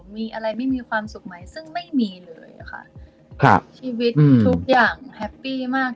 มีอะไรไม่มีความสุขไหมซึ่งไม่มีเลยค่ะครับชีวิตทุกอย่างแฮปปี้มาก